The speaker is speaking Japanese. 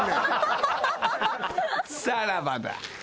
さらばだ。